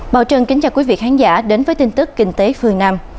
bảo trân kính chào quý vị khán giả đến với tin tức kinh tế phương nam